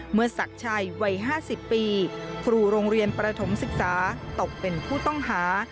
ศักดิ์ชัยวัย๕๐ปีครูโรงเรียนประถมศึกษาตกเป็นผู้ต้องหา